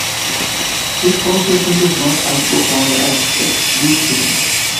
This cost difference is not as profound as it used to be.